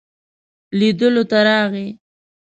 لیدلو ته راغی.